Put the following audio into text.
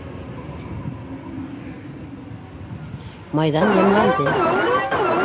Майҙан йәмләнде.